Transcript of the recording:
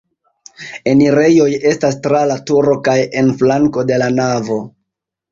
Enirejoj estas tra la turo kaj en flanko de la navo.